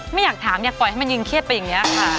ไม่อยากถามอยากปล่อยให้มันยืนเครียดไปอย่างนี้ค่ะ